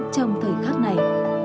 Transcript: trong thời khắc này